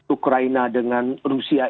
ukraina dengan rusia